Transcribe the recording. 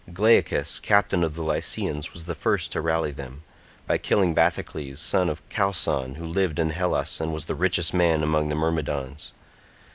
Glaucus, captain of the Lycians, was the first to rally them, by killing Bathycles son of Chalcon who lived in Hellas and was the richest man among the Myrmidons.